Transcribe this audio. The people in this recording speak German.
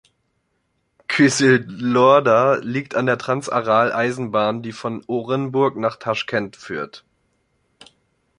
Qysylorda liegt an der Trans-Aral-Eisenbahn, die von Orenburg nach Taschkent führt.